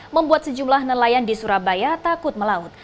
membuat sejumlah nelayan di surabaya takut melaut